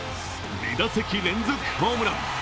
２打席連続ホームラン。